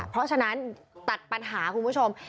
เพราะฉะนั้นตัดปัญหาคุณผู้ชม